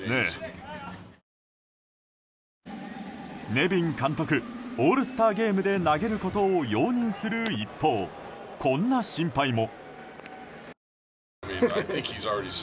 ネビン監督オールスターゲームで投げることを容認する一方こんな心配も。